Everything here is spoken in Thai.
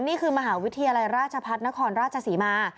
นี่คือมหาวิทยาลัยราชพัฒนครราชศรีมา